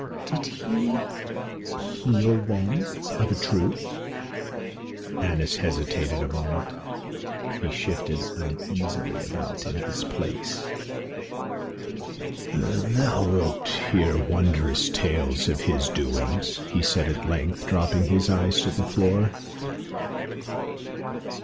"Did he heal then, of a truth?" Annas hesitated a moment, he shifted uneasily about in his place. "Thou wilt hear wondrous tales of his doings," he said at length, dropping his eyes to the floor.